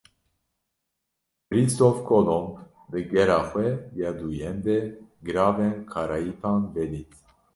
Kristof Kolomb, di gera xwe ya duyem de, Giravên Karayîpan vedît